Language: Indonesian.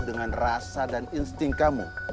dengan rasa dan insting kamu